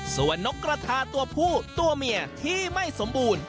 ส่วนนกกระทาตัวผู้ตัวเมียที่ไม่สมบูรณ์